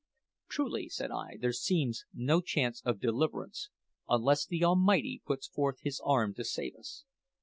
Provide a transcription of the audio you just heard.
"Truly," said I, "there seems no chance of deliverance, unless the Almighty puts forth His arm to save us.